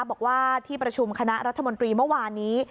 บอกว่าที่ประชุมคณะรัฐมนตรีเมื่อวานนี้